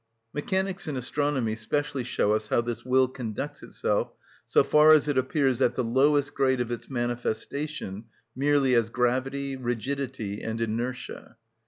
Mechanics and astronomy specially show us how this will conducts itself so far as it appears at the lowest grade of its manifestation merely as gravity, rigidity, and inertia.